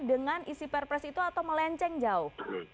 dengan isi perpres itu atau melenceng jauh